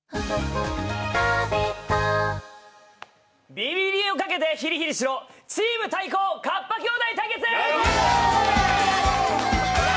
ビリビリをかけてヒリヒリしろ、チーム対抗カッパ兄弟対決！